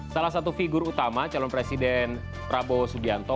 salah satu figur utama calon presiden prabowo subianto